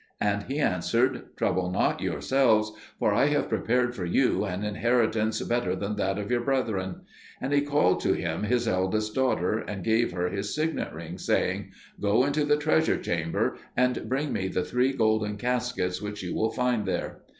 And he answered, "Trouble not yourselves, for I have prepared for you an inheritance better than that of your brethren." And he called to him his eldest daughter, and gave her his signet ring, saying, "Go into the treasure chamber and bring me the three golden caskets which you will find there."